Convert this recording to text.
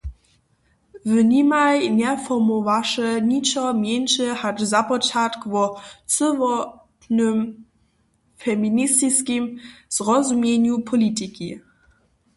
W nimaj njeformowaše ničo mjeńše hač započatk wo cyłotnym, feministiskim zrozumjenju politiki.